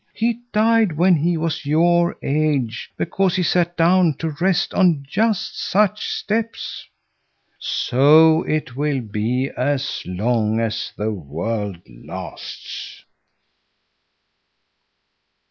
He died when he was your age, because he sat down to rest on just such steps." So will it be as long as the world lasts.